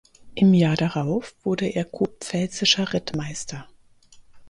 Im Jahr darauf wurde er kurpfälzischer Rittmeister.